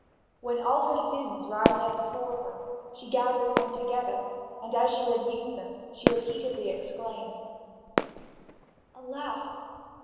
When all her sins rise up before her, she gathers them together, and as she reviews them, she repeatedly exclaims: "Alas!